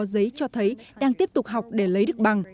bộ an ninh nội địa mỹ cho thấy đang tiếp tục học để lấy được bằng